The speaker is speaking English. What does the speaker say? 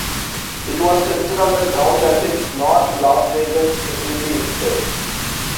It was tested on the ground at its North Las Vegas facility instead.